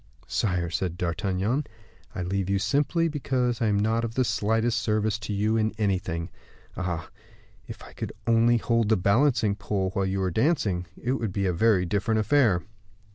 "Sire," said D'Artagnan, "I leave you simply because I am not of the slightest service to you in anything. Ah! if I could only hold the balancing pole while you were dancing, it would be a very different affair."